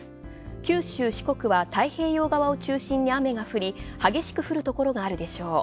九州、四国は太平洋側を中心に雨が降り激しく降るところがあるでしょう。